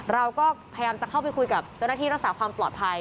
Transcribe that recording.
เราก็พยายามจะเข้าไปคุยกับเจ้าหน้าที่รักษาความปลอดภัย